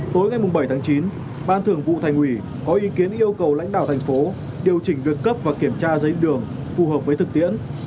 tối ngày bảy tháng chín ban thường vụ thành ủy có ý kiến yêu cầu lãnh đạo thành phố điều chỉnh việc cấp và kiểm tra giấy đường phù hợp với thực tiễn